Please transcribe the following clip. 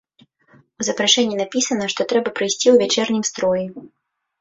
У запрашэнні напісана, што трэба прыйсці ў вячэрнім строі.